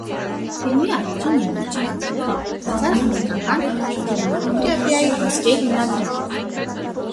Ֆիլմի առաջին և վերջին կադրերը անցան ամերիկական կինեմատոգրաֆիայի ոսկե հիմնադրամ։